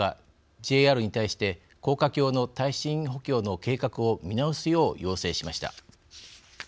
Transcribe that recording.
ＪＲに対して高架橋の耐震補強の計画を見直すよう要請しました。